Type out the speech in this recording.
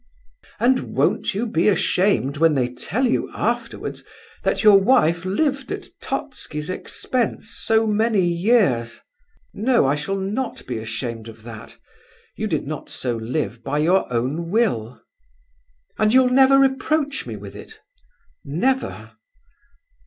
"And won't you be ashamed when they tell you, afterwards, that your wife lived at Totski's expense so many years?" "No; I shall not be ashamed of that. You did not so live by your own will." "And you'll never reproach me with it?" "Never."